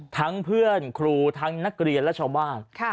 เพื่อนครูทั้งนักเรียนและชาวบ้าน